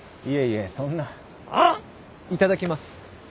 いただきます。